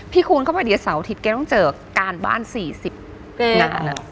คูณเข้าไปเดี๋ยวเสาร์อาทิตย์แกต้องเจอการบ้าน๔๐งาน